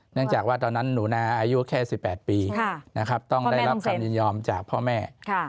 เนื่องจากว่าตอนนั้นหนูนาอายุแค่๑๘ปีต้องได้รับคำยินยอมจากพ่อแม่